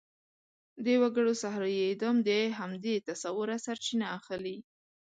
د وګړو صحرايي اعدام د همدې تصوره سرچینه اخلي.